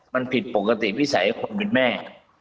มันผิดปกติวิสัยคนเป็นแม่